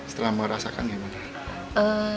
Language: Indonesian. setelah merasakan bagaimana